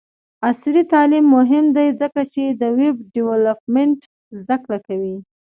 عصري تعلیم مهم دی ځکه چې د ویب ډیولپمنټ زدکړه کوي.